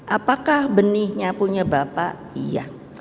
apakah benihnya punya bapak iya